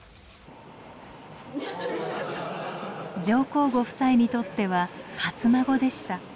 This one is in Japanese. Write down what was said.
上皇ご夫妻にとっては初孫でした。